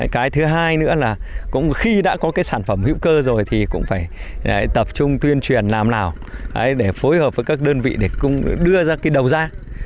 cái thứ hai nữa là cũng khi đã có cái sản phẩm hữu cơ rồi thì cũng phải tập trung tuyên truyền làm nào để phối hợp với các đơn vị để đưa ra cái đầu ra